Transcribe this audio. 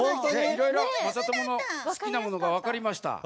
いろいろまさとものすきなものがわかりました。